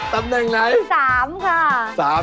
ตำแหน่งไหน